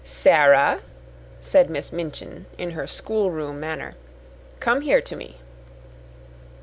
"Sara," said Miss Minchin in her schoolroom manner, "come here to me."